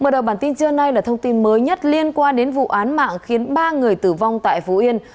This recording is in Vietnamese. mở đầu bản tin trưa nay là thông tin mới nhất liên quan đến vụ án mạng khiến ba người tử vong tại phú yên